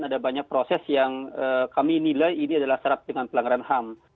ada banyak proses yang kami nilai ini adalah serap dengan pelanggaran ham